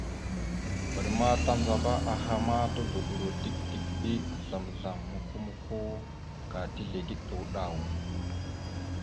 Vvaɗ ma tandzaba aha ma tudoɗoro dik dik bi azzlam azzlam mokko mokko ka tizləge ɗaw ɗaw.